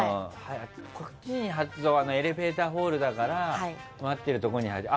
こっちに貼るとエレベーターホールだから待ってるところに貼れる。